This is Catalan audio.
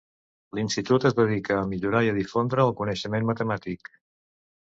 L'institut es dedica a millorar i a difondre el coneixement matemàtic.